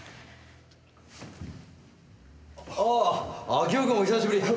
ああ明夫君お久しぶり！